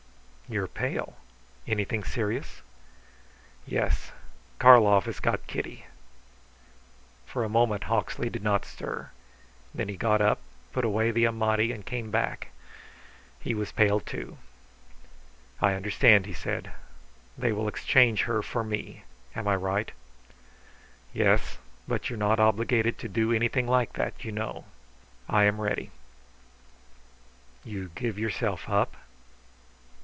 "You are pale. Anything serious?" "Yes. Karlov has got Kitty." For a minute Hawksley did not stir. Then he got up, put away the Amati, and came back. He was pale, too. "I understand," he said. "They will exchange her for me. Am I right?" "Yes. But you are not obliged to do anything like that, you know." "I am ready." "You give yourself up?"